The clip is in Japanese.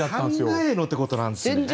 考えのってことなんですね。